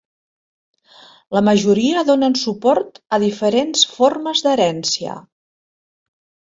La majoria donen suport a diferents formes d'herència.